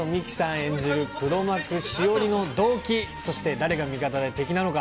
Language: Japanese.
演じる、黒幕、しおりの動機、そして誰が味方で敵なのか。